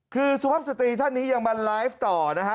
คือสุภาพสตรีท่านนี้ยังมาไลฟ์ต่อนะฮะ